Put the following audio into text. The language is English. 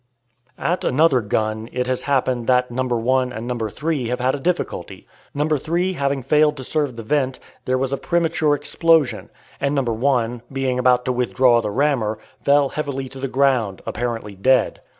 At another gun it has happened that No. 1 and No. 3 have had a difficulty. No. 3 having failed to serve the vent, there was a premature explosion, and No. 1, being about to withdraw the rammer, fell heavily to the ground, apparently dead.